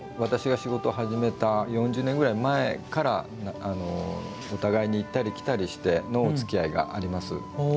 私が仕事を始めた４０年ほど前から行ったり来たりしてのおつきあいがあります。